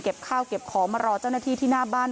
ข้าวเก็บของมารอเจ้าหน้าที่ที่หน้าบ้าน